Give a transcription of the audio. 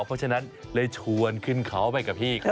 เพราะฉะนั้นเลยชวนขึ้นเขาไปกับพี่เขา